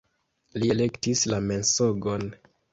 Li elektis la mensogon.